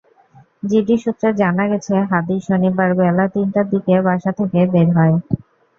GD সূত্রে জানা গেছে, হাদী শনিবার বেলা তিনটার দিকে বাসা থেকে বের হয়।